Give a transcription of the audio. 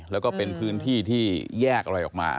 แล้วก็เป็นพื้นที่ที่แยกอะไรออกมา